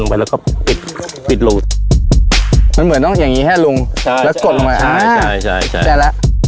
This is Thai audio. พิดพิดโล้มันเหมือนต้องอย่างงี้ได้ฮะลุงใช่แล้วกดลงไปอ้าใช่ใช่หละ